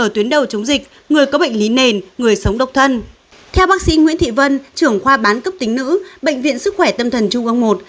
theo bác sĩ nguyễn thị vân trưởng khoa bán cấp tính nữ bệnh viện sức khỏe tâm thần trung ương một